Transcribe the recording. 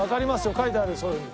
書いてあるそういうふうに。